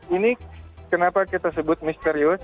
ini kenapa kita sebut misterius